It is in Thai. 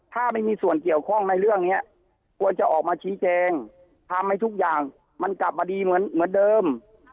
ถ้าไม่มีส่วนเกี่ยวข้องในเรื่องนี้ควรจะออกมาชี้แจงทำให้ทุกอย่างมันกลับมาดีเหมือนเดิม